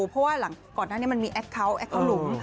เพราะว่าก่อนหน้านี้มันมีแอคเคิ้ลแอคเคิ้ลหลุม